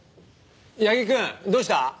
八木くんどうした？